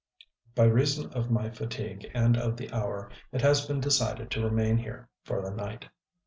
By reason of my fatigue and of the hour, it has been decided to remain here for the night.